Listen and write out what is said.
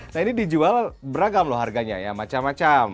nah ini dijual beragam loh harganya ya macam macam